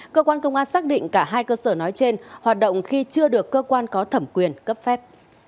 cơ quan công an xác định cả hai cơ sở nói trên hoạt động khi chưa được cơ quan có thẩm quyền cấp phép